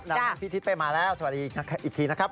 พี่ทิศเป้มาแล้วสวัสดีอีกทีนะครับ